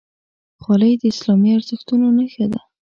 خولۍ د اسلامي ارزښتونو نښه ده.